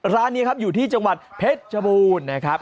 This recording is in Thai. ร้านนี้ครับอยู่ที่จังหวัดเพชรชบูรณ์นะครับ